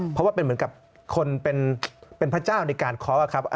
เพราะว่าเป็นเหมือนกับคนเป็นพระเจ้าในการเคาะครับ